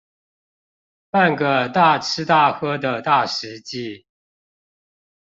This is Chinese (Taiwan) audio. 辦個大吃大喝的大食祭